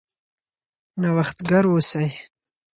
نوښتګر اوسئ.